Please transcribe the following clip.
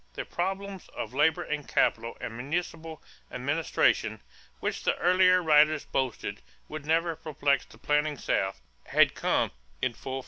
The problems of labor and capital and municipal administration, which the earlier writers boasted would never perplex the planting South, had come in full force.